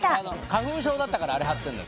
花粉症だったからあれ貼ってんの。